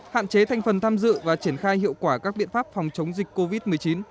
hạn chế thành phần tham dự và triển khai hiệu quả các biện pháp phòng chống dịch covid một mươi chín